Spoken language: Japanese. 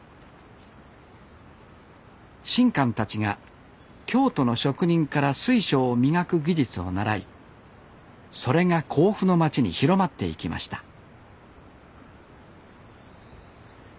神官たちが京都の職人から水晶を磨く技術を習いそれが甲府の街に広まっていきました